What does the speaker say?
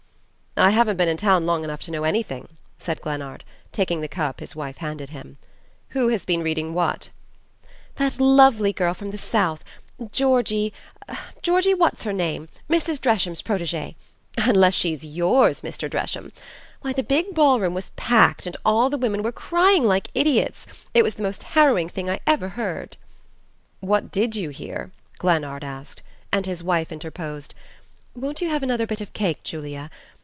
"I haven't been in town long enough to know anything," said Glennard, taking the cup his wife handed him. "Who has been reading what?" "That lovely girl from the South Georgie Georgie what's her name Mrs. Dresham's protegee unless she's YOURS, Mr. Dresham! Why, the big ball room was PACKED, and all the women were crying like idiots it was the most harrowing thing I ever heard " "What DID you hear?" Glennard asked; and his wife interposed: "Won't you have another bit of cake, Julia?